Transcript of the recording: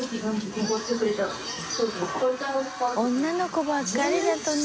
女の子ばっかりだとね。